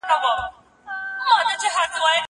زه مخکي قلم استعمالوم کړی و؟!